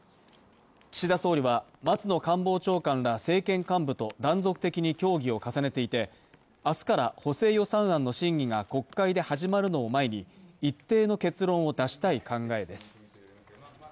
岸田総理は松野官房長官ら政権幹部と断続的に協議を重ねていて明日から補正予算案の審議が国会で始まるのを前に、一定の結論を出したい考えです。